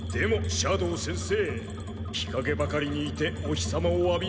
斜堂先生